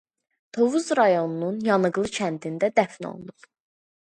Tovuz rayonunun Yanıqlı kəndində dəfn olunub.